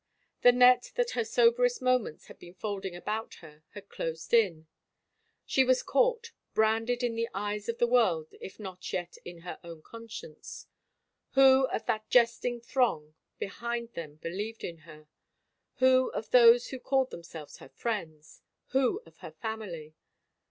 The net, that her soberest moments had seen folding about her, had closed in ; she was caught, branded in the eyes of the world if not yet in her own conscience. Who of that jesting throng behind them believed in her? Who of those who called themselves her friends? Who of her family?